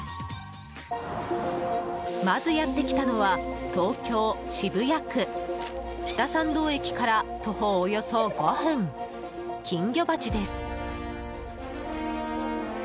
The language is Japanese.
まず、やってきたのは東京・渋谷区北参道駅から徒歩およそ５分金魚鉢です。